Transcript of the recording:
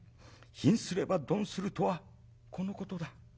『貧すれば鈍する』とはこのことだ。